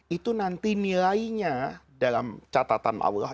itu nanti nilainya dalam catatan allah